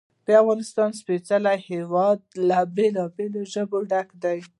د افغانستان سپېڅلی هېواد له بېلابېلو ژبو ډک دی.